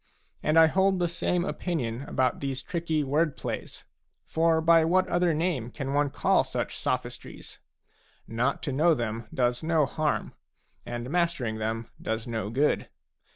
And I hold the same opinion about these tricky word plays ; for by what other name can one call such sophistries ? Not to know them does no harm, and mastering them does no good.